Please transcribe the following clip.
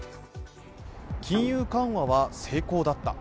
金融緩和は成功だった。